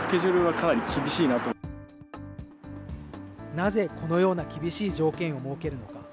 なぜこのような厳しい条件を設けるのか。